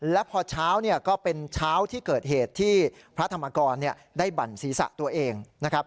และพอเช้าเนี่ยก็เป็นเช้าที่เกิดเหตุที่พระธรรมกรได้บั่นศีรษะตัวเองนะครับ